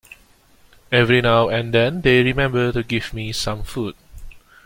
Every now and then they remember to give me some food.